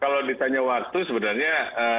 kalau ditanya waktu sebenarnya